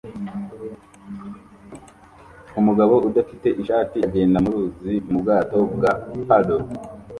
Umugabo udafite ishati agenda mu ruzi mu bwato bwa paddle